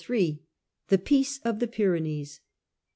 Peace of the Pyrenees.